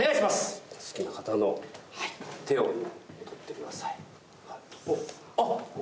好きな方の手を取ってください。